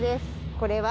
これは。